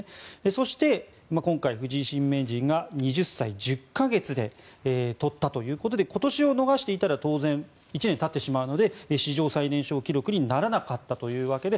そして今回、藤井新名人が２０歳１０か月で取ったということで今年を逃していたら当然１年たってしまうので史上最年少記録にならなかったというわけで